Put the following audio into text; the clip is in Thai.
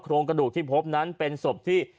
โรงกระดูกที่พบนั้นเป็นศพที่